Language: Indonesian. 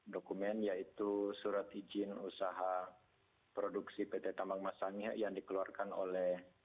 dokumen yaitu surat izin usaha produksi pt tambang masanya yang dikeluarkan oleh